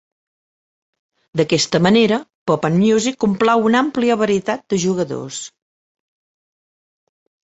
D'aquesta manera, Pop'n Music complau una àmplia varietat de jugadors.